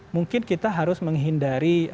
mungkin kita harus menghindari